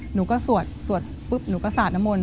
หนูก็สวดสวดปุ๊บหนูก็สาดน้ำมนต